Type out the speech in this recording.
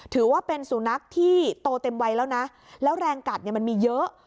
ถือว่าเป็นสุนัขที่โตเต็มวัยแล้วนะแล้วแรงกัดเนี่ยมันมีเยอะ